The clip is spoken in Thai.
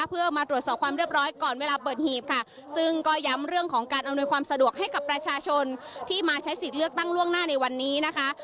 เพื่อมาตรวจสอบความเรียบร้อยก่อนเวลาเปิดหีบค่ะซึ่งก็ย้ำเรื่องของการอำนวยความสะดวกให้กับประชาชนที่มาใช้สิทธิ์เลือกตั้งล่วงหน้าในวันนี้นะคะ